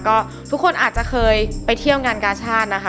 ก็ทุกคนอาจจะเคยไปเที่ยวงานกาชาตินะคะ